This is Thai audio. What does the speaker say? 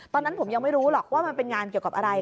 ตอนนั้นผมยังไม่รู้หรอกว่ามันเป็นงานเกี่ยวกับอะไร